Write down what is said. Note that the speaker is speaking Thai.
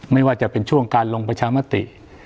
ไม่ว่าจะเป็นช่วงการลงประชามติ